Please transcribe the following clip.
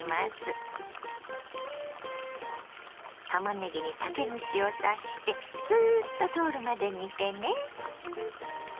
たまねぎに竹串を刺してスーッと通るまで煮てね。